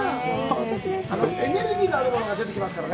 エネルギーになるものが出てきますからね。